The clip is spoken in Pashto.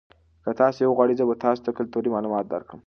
که تاسي وغواړئ زه به تاسو ته کلتوري معلومات درکړم.